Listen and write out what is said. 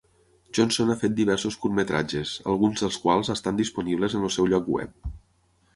Johnson ha fet diversos curtmetratges, alguns dels quals estan disponibles en el seu lloc web.